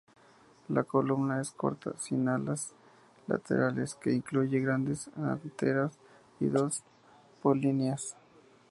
La columna es corta, sin alas laterales, que incluye grandes anteras y dos polinias.